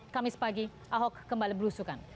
kamis pagi ahok kembali berusukan